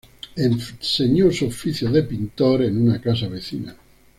Enseñó su oficio de pintor en una casa vecina.